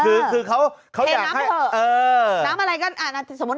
คือคือเขาเขาอยากให้อื้อน้ำอะไรก็อ่าสมมติ